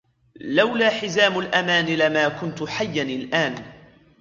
لولا حزام الأمان لما كنت حياً الآن.